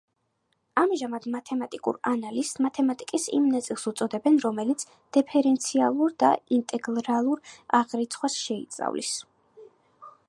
ამჟამად მათემატიკურ ანალიზს მათემატიკის იმ ნაწილს უწოდებენ, რომელიც დიფერენციალურ და ინტეგრალურ აღრიცხვას შეიწავლის.